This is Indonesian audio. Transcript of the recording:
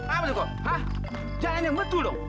apa itu kok jangan yang betul dong